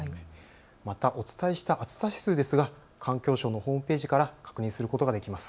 また、お伝えした暑さ指数ですが環境省のホームページから確認することができます。